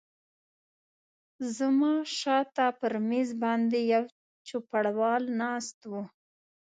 زما شاته پر مېز باندې یو چوپړوال ناست و.